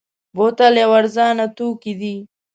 بوتل یو ارزانه توکی دی.